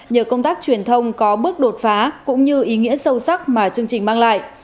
nhờ công tác truyền thông có bước đột phá cũng như ý nghĩa sâu sắc mà chương trình mang lại